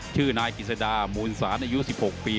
ชื่อนายกิจสดามูลศาลอายุ๑๖ปี